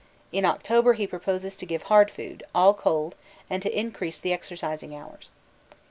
In October he proposes to give 'hard' food, all cold, and to increase the exercising hours.